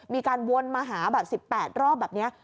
มีการวนมาหาแบบ๑๘รอบแบบนี้